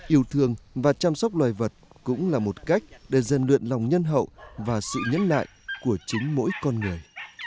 yêu thương và chăm sóc loài vật cũng là một cách để gian luyện lòng nhân hậu và sự nhẫn lại của chính mỗi con người